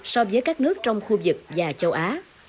so với các nước trong khu vực và châu á